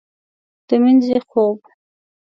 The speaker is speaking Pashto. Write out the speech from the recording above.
د مینځې خوب